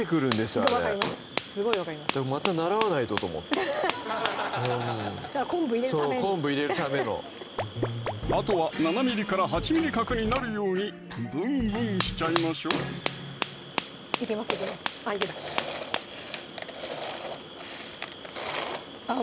あれすごい分かりますまた習わないとと思って昆布入れるためにそう昆布入れるためのあとは７８ミリ角になるようにブンブンしちゃいましょういけますいけますあっいけたあっ